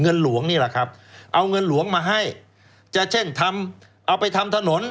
เงินหลวงนี่แหละครับเอาเงินหลวงมาให้จะเช่นทำเอาไปทำถนน